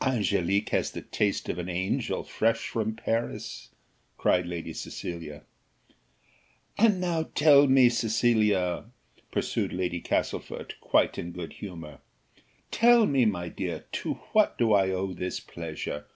"Angelique has the taste of an angel fresh from Paris," cried Lady Cecilia. "And now tell me, Cecilia," pursued Lady Castlefort, quite in good humour, "tell me, my dear, to what do I owe this pleasure?